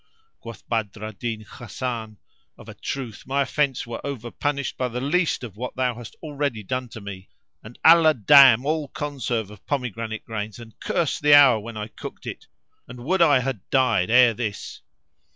Quoth Badr al Din Hasan, "Of a truth my offense were over punished by the least of what thou hast already done to me; and Allah damn all conserve of pomegranate grains and curse the hour when I cooked it and would I had died ere this!"